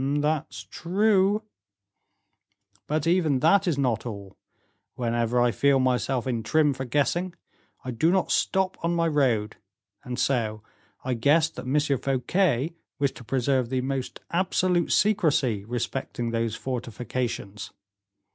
"That's true." "But even that is not all. Whenever I feel myself in trim for guessing, I do not stop on my road; and so I guessed that M. Fouquet wished to preserve the most absolute secrecy respecting these fortifications."